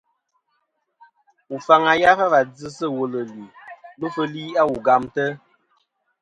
Wu faŋi yaf a wà dzɨ sɨ wul ɨlue lufɨli a wu gamtɨ.